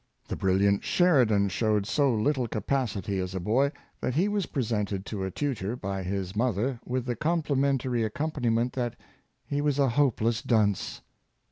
The brilliant Sheridan showed so little capacity as a boy, that he was presented to a tutor by his mother with the complimentary accompaniment that he was a hopeless dunce.